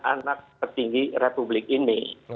anak petinggi republik ini